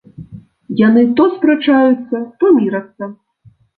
Яны то спрачаюцца, то мірацца.